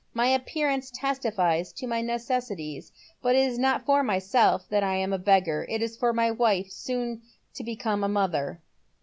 My appearance testifies to my necessities, but it is not for myself that I am a beggar. It is for my wife. Boon to become a mother."